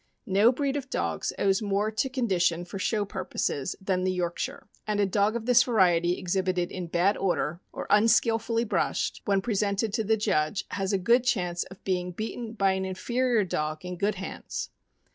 No breed of dogs owes more to condition for show purposes than the York shire; and a dog of this variety exhibited in bad order, or unskillfully brushed, when presented to the judge, has a good chance of being beaten by an inferior dog in good hands.